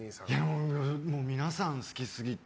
皆さん好きすぎて。